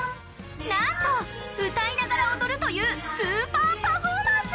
なんと歌いながら踊るというスーパーパフォーマンス。